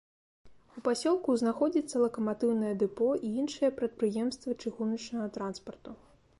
У пасёлку знаходзіцца лакаматыўнае дэпо і іншыя прадпрыемствы чыгуначнага транспарту.